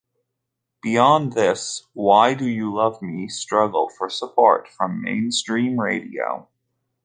Beyond this, "Why Do You Love Me" struggled for support from mainstream radio.